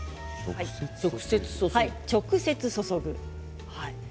直接注ぐ。